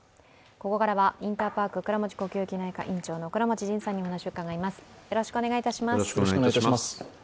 ここからはインターパーク倉持呼吸器内科院長の倉持仁さんに伺います。